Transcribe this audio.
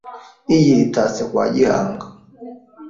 Iyi itatse kwa Gihanga